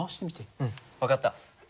うん分かった。